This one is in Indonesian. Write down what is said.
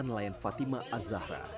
nelayan fatima azahra